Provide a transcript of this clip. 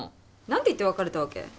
何て言って別れたわけ？